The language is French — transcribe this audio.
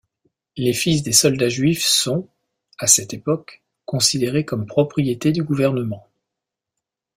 Les fils des soldats juifs sont, à cette époque, considérés comme propriété du gouvernement.